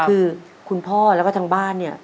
คือคุณพ่อแล้วก็ทางบ้านเนี่ย